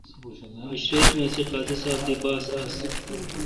عشریت می اسی قاضی ساب دی باس آس۔